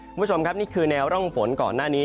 คุณผู้ชมครับนี่คือแนวร่องฝนก่อนหน้านี้